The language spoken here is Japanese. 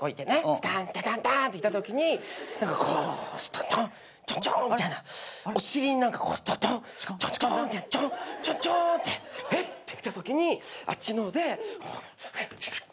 スタンタタンタンっていたときにこうスットントンチョンチョンみたいなお尻に何かスットントンチョンチョンチョンチョンチョンってえっ！？って見たときにあっちの方でシュッシュシュッ。